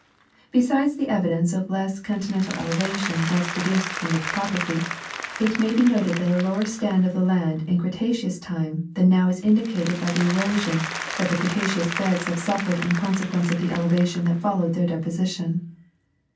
Besides the evidence of less continental elevation thus deduced from the topography, it may be noted that a lower stand of the land in Cretaceous time than now is indicated by the erosion that the Cretaceous beds have suffered in consequence of the elevation that followed their deposition.